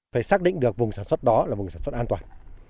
phải xác định được vùng sản xuất đó là vùng sản xuất an toàn